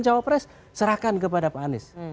kita menyampaikan urusan cawapres serahkan kepada mas anies